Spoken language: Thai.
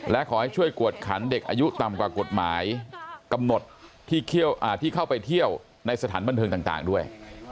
และขอให้ช่วยกวดขันเด็กอายุต่ำกว่ากฎหมายกำหนดที่เข้าไปเที่ยวในสถานบันเทิงต่างด้วย